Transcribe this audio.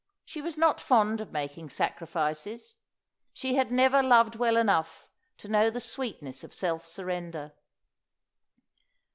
She was not fond of making sacrifices; she had never loved well enough to know the sweetness of self surrender.